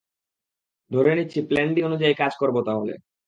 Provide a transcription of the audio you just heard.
ধরে নিচ্ছি, plan D অনুযায়ী কাজ করব তাহলে।